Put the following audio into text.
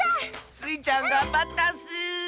スイちゃんがんばったッス！